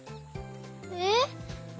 えっ？